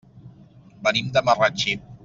Venim de Marratxí.